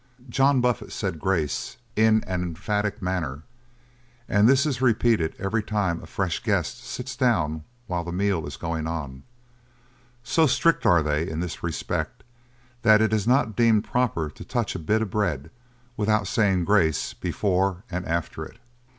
John Buffet said grace in an emphatic manner, and this is repeated every time a fresh guest sits down while the meal is going on. So strict are they in this respect, that it is not deemed proper to touch a bit of bread without saying grace before and after it.